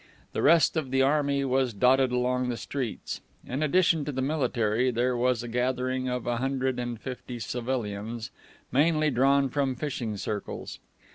The rest of the army was dotted along the streets. In addition to the military, there was a gathering of a hundred and fifty civilians, mainly drawn from fishing circles.